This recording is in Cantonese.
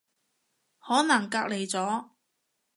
可能隔離咗